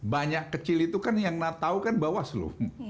banyak kecil itu kan yang natau kan bawaslu